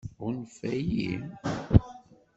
Ɣunfan-iyi?